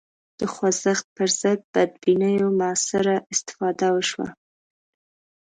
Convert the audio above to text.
د خوځښت پر ضد بدبینیو موثره استفاده وشوه